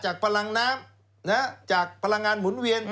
จากปลังน้ำนะครับจากพลังงานหมุนเวียน